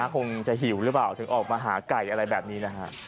คงจะหิวหรือเปล่าถึงออกมาหาไก่อะไรแบบนี้นะฮะ